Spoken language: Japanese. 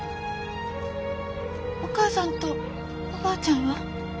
お母さんとおばあちゃんは？